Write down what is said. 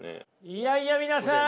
いやいや皆さん